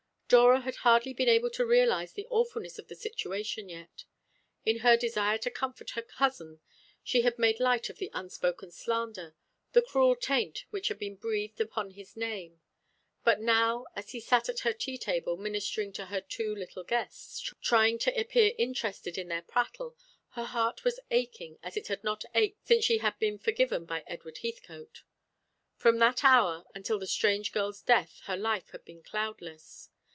Dora had hardly been able to realise the awfulness of the situation yet. In her desire to comfort her cousin she had made light of the unspoken slander, the cruel taint which had been breathed upon his name. But now as she sat at her tea table ministering to her two little guests, trying to appear interested in their prattle, her heart was aching as it had not ached since she had been forgiven by Edward Heathcote. From that hour until the strange girl's death her life had been cloudless.